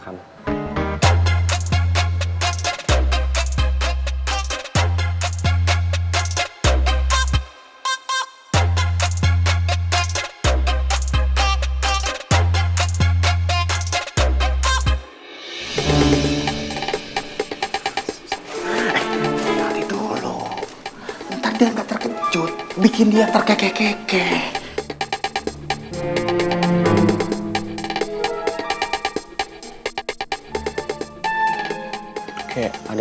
apo lagi yang keempat